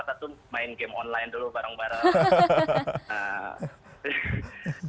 buat puasa tuh main game online dulu bareng bareng